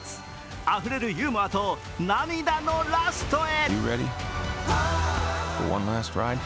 あふれるユーモアと涙のラストへ。